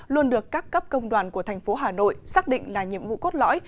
luôn được các cấp công đoàn của thành phố hà nội xác định là nhiệm vụ cốt lõi